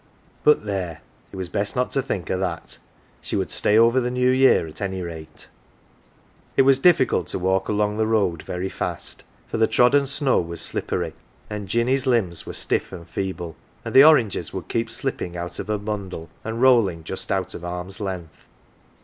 But there ! it was best not to think o' that. She would stay over the New Year at any rate. It was difficult to walk along the road very fast, for the trodden snow was slippery and Jinny's limbs were stift' and feeble ; and the oranges would keep slipping out of her bundle, and rolling just out of arm's length.